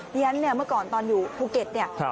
อย่างนั้นเมื่อก่อนตอนอยู่ภูเก็ต